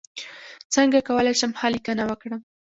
څنګه کولی شم ښه لیکنه وکړم